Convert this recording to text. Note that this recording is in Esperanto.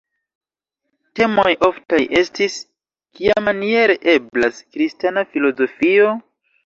Temoj oftaj estis: kiamaniere eblas kristana filozofio?